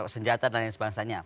senjata dan lain sebagainya